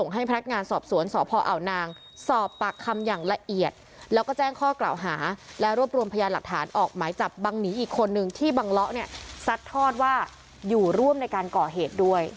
แห้งข้อกล่าวหาและรวบรวมพยานหลักฐานออกหมายจับบังหนีอีกคนหนึ่งที่บังเลาะสัดทอดว่าอยู่ร่วมในการก่อเหตุด้วย